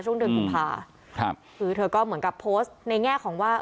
ช่วงเดือนกุมภาครับคือเธอก็เหมือนกับโพสต์ในแง่ของว่า